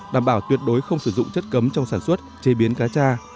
đảm bảo tuyệt đối không sử dụng chất cấm trong sản xuất chế biến cá cha